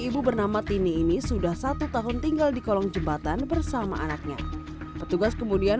ibu bernama tini ini sudah satu tahun tinggal di kolong jembatan bersama anaknya petugas kemudian